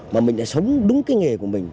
mà mình đã sống đúng cái nghề của mình